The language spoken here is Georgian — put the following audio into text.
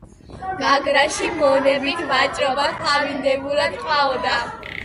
გაგრაში მონებით ვაჭრობა კვლავინდებურად ყვაოდა.